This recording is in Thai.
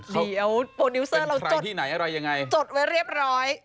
เดี๋ยวโปรดิวเซอร์เราจดจดไว้เรียบร้อย